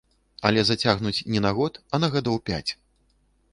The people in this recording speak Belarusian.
Але зацягнуць не на год, а на гадоў пяць.